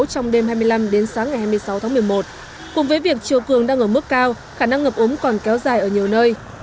trong đêm hai mươi năm đến sáng ngày hai mươi sáu tháng một mươi một cùng với việc chiều cường đang ở mức cao khả năng ngập ống còn kéo dài ở nhiều nơi